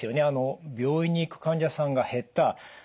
あの病院に行く患者さんが減った。